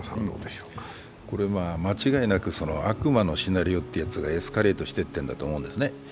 間違いなく悪魔のシナリオというやつがエスカレートしてってるんだと思いますね。